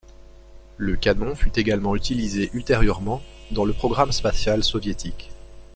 Le canon fut également utilisé ultérieurement dans le programme spatial soviétique.